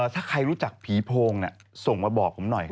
ถ้าใครรู้จักผีโพงส่งมาบอกผมหน่อย